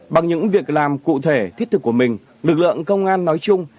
bằng những việc làm cụ thể thiết thực của mình lực lượng công an nói chung